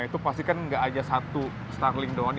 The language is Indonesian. itu pasti kan enggak ada satu starling doang